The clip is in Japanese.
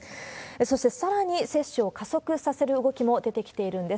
そしてさらに接種を加速させる動きも出てきているんです。